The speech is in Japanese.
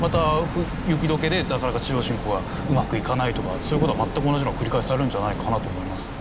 また雪解けでなかなか侵攻がうまくいかないとかそういう事が全く同じ事が繰り返されるんじゃないかなと思いますね。